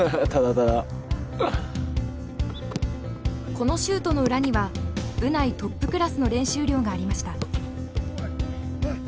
このシュートの裏には部内トップクラスの練習量がありました。